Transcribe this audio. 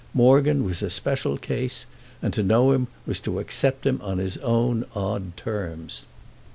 Morgan was a special case, and to know him was to accept him on his own odd terms.